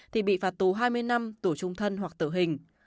thì bị phạt tù hai mươi năm tù trung thân hoặc tử hình